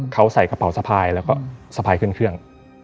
เขาใส่กระเป๋าสะพายแล้วก็สะพายขึ้นเครื่อง